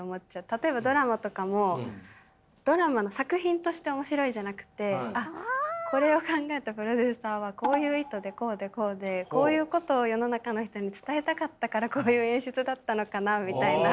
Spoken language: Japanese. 例えばドラマとかもドラマの作品として面白いじゃなくてあっこれを考えたプロデューサーはこういう意図でこうでこうでこういうことを世の中の人に伝えたかったからこういう演出だったのかなみたいな。